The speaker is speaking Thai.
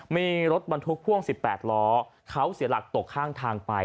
มีรถบรรทุกพ่วง๑๘ล้อเขาเสียหลักตกข้างทางไป